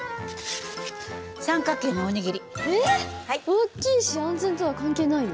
大きいし安全とは関係ないよ。